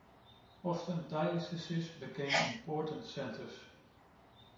Often dioceses became important centres.